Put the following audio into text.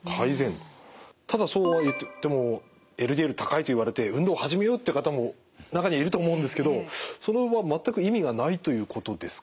ただそうはいってもＬＤＬ高いと言われて運動始めようっていう方も中にはいると思うんですけどそれは全く意味がないということですか？